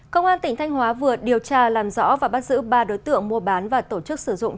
công an tỉnh thanh hóa vừa điều tra làm rõ và bắt giữ ba đối tượng mua bán và tổ chức sử dụng